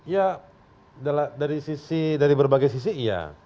ya dari berbagai sisi iya